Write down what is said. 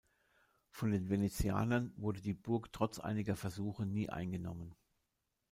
Von den Venezianern wurde die Burg trotz einiger Versuche nie eingenommen.